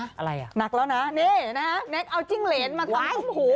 อะไรอ่ะนักแล้วนะนี่นะฮะแน็กเอาจิ้งเหรนมาทำกุ้มหู